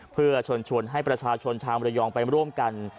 เพื่อเชิญชวนให้ประชาชนชาวมรยองไปร่วมกัน